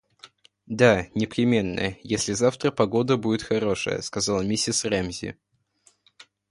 – Да, непременно, если завтра погода будет хорошая, – сказала миссис Рэмзи.